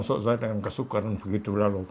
soalnya saya dengan kesukaran begitu lalu